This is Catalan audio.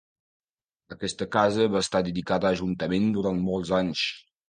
Aquesta casa va estar dedicada a Ajuntament durant molts anys.